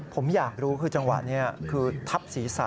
ผมอยากรู้คือจังหวะนี้คือทับศีรษะ